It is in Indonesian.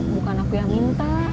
bukan aku yang minta